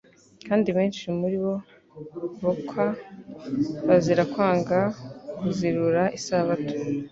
Kandi benshi muri bo bkwa bazira kwanga kuzirura isabato